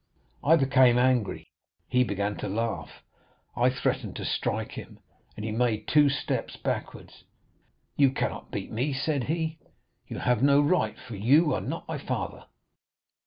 I became angry; he began to laugh, I threatened to strike him, and he made two steps backwards. 'You cannot beat me,' said he; 'you have no right, for you are not my father.